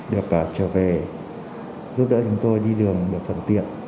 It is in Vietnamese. được trở về giúp đỡ chúng tôi đi đường được thuận tiện